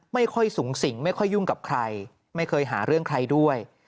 ไม่ค่อยสูงสิงไม่ค่อยยุ่งกับใครไม่เคยหาเรื่องใครด้วย